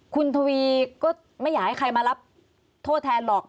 คุณทวีก็ไม่อยากให้ใครมารับโทษแทนหรอก